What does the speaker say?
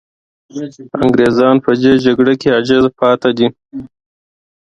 انګریزان په دې جګړه کې عاجز پاتې دي.